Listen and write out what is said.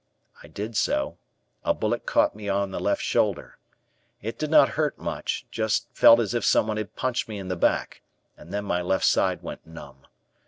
I did so; a bullet caught me on the left shoulder. It did not hurt much, just felt as if someone had punched me in the back, and then my left side went numb.